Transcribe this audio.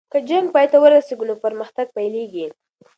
که جنګ پای ته ورسیږي نو پرمختګ پیلیږي.